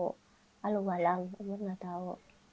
kalau malam umur nggak tahu